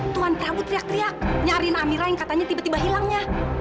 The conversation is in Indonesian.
tuan prabu teriak teriak mencari amirah yang katanya tiba tiba hilangnya